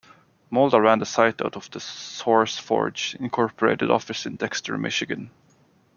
Malda ran the site out of the SourceForge, Incorporated office in Dexter, Michigan.